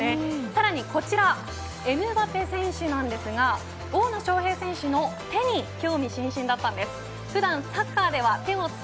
さらにこちらエムバペ選手なんですが大野将平選手の手に興味津々だったんです。